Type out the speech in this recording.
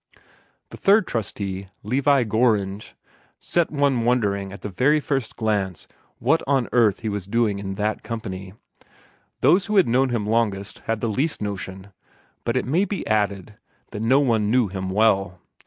The third trustee, Levi Gorringe, set one wondering at the very first glance what on earth he was doing in that company. Those who had known him longest had the least notion; but it may be added that no one knew him well.